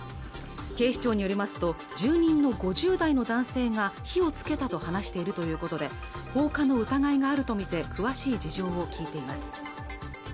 警視庁によりますと住人の５０代の男性が火をつけたと話しているということで放火の疑いがあると見て詳しい事情を聞いています